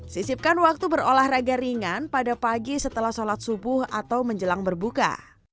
sisipkan waktu berolahraga ringan pada pagi setelah sholat subuh atau menjelang berbuka